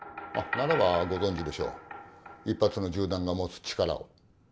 あっならばご存じでしょう一発の銃弾が持つ力を。